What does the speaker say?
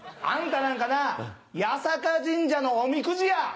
あんたなんかな八坂神社のおみくじや！